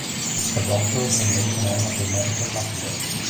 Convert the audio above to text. A doctor is a made man of the medical mafia.